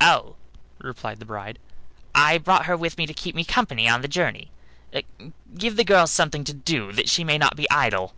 "Oh!" replied the bride, "I brought her with me to keep me company on the journey; give the girl something to do, that she may not be idle."